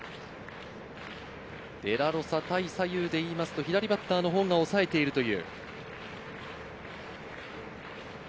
デラロサ対左右でいいますと、左バッターのほうが抑えているという。